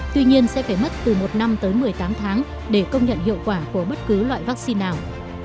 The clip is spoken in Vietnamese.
tuy nhiên sẽ phải mất từ một năm tới một mươi tám tháng để công nhận hiệu quả của bất cứ loại vaccine nào